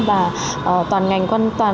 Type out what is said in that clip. và toàn ngành